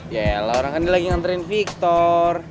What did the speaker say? yelah orang kan lagi ngantriin victor